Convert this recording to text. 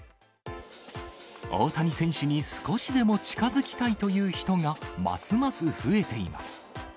大谷選手に少しでも近づきたいという人がますます増えています。